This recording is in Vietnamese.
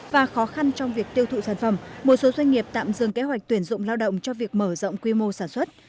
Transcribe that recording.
và khó khăn trong việc tiêu thụ sản phẩm một số doanh nghiệp tạm dừng kế hoạch tuyển dụng lao động cho việc mở rộng quy mô sản xuất